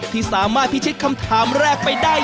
ที่สามารถพิชิตคำถามแรกไปได้